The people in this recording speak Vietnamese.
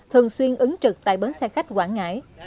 thường xuyên ứng trực tại bến xe khách quảng ngãi